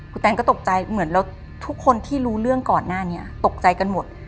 คุณแตนก็ตกใจเหมือนเราทุกคนที่รู้เรื่องก่อนหน้านี้ตกใจกันหมด